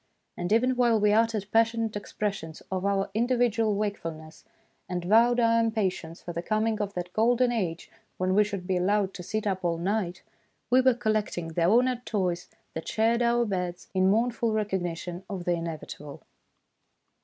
And even while we uttered passionate ex pressions of our individual wakefulness, and 137 138 THE DAY BEFORE YESTERDAY vowed our impatience for the coming of that golden age when we should be allowed to sit up all night, we were collecting the honoured toys that shared our beds, in mournful recognition of the inevitable.